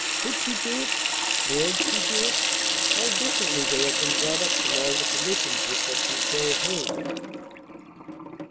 Could she do it? Dared she do it? How differently they had been brought up from all the traditions which had controlled her life!